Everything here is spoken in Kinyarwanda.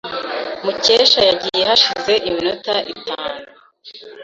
Mukesha yagiye hashize iminota itanu.